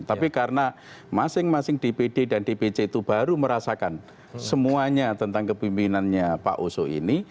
tapi karena masing masing dpd dan dpc itu baru merasakan semuanya tentang kepimpinannya pak oso ini